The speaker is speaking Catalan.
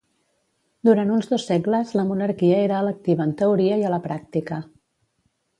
Durant uns dos segles la monarquia era electiva en teoria i a la pràctica